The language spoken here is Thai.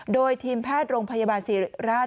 โดยทีมแพทย์โรงพยาบาลศิริราช